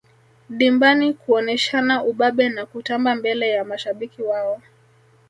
dimbani kuoneshana ubabe na kutamba mbele ya mashabiki wao